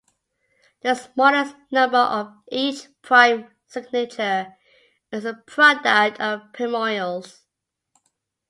The smallest number of each prime signature is a product of primorials.